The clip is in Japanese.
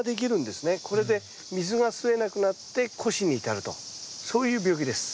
これで水が吸えなくなって枯死に至るとそういう病気です。